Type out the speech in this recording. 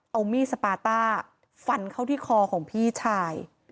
เอามีดสปาต้าฟันเข้าที่คอของพี่ชาย